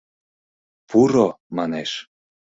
«Пуро — манеш.